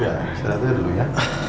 istirahat aja dulu ya